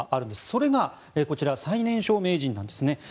それがこちら最年少名人なんですね。